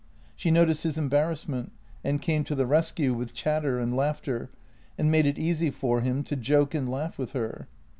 She noticed his embarrassment, and came to the rescue with chatter and laughter, and made it easy for him to joke and laugh with her.